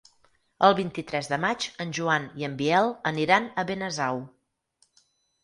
El vint-i-tres de maig en Joan i en Biel aniran a Benasau.